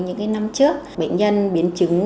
những cái năm trước bệnh nhân biến chứng